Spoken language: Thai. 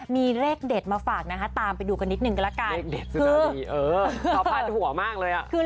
มีเลขเด็ดมาฝากนะฮะตามไปดูกันนิดนึงกันละกัน